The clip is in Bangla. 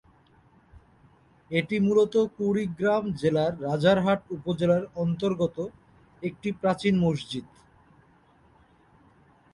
এটি মূলত কুড়িগ্রাম জেলার রাজারহাট উপজেলার অন্তর্গত একটি প্রাচীন মসজিদ।